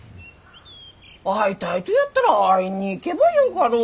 会いたいとやったら会いに行けばよかろう？